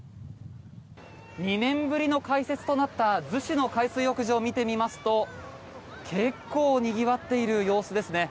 ２年ぶりの開設となった逗子の海水浴場を見てみますと結構にぎわっている様子ですね。